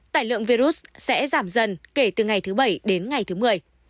tài lượng virus sẽ giảm dần kể từ ngày thứ bảy đến ngày thứ mười